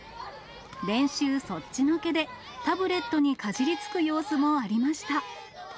練習そっちのけで、タブレットにかじりつく様子もありました。